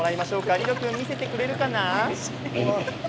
リロ君、見せてくれるかな。